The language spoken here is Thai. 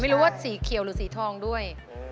หรือว่าสีเขียวหรือสีทองด้วย